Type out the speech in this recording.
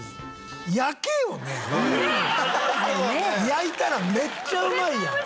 焼いたらめっちゃうまいやん！